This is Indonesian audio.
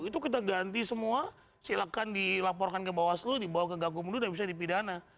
itu kita ganti semua silakan dilaporkan ke bawaslu dibawa ke gakumdu dan bisa dipidana